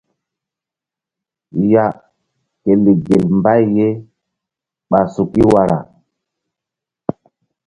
Ya ke lek gel mbay ye ɓa suki wara.